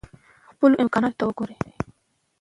خپلو امکاناتو ته وګورئ.